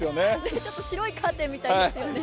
ちょっと白いカーテンみたいですよね。